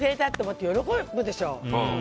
って喜ぶでしょ。